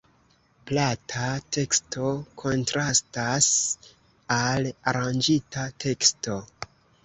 Plata teksto kontrastas al aranĝita teksto.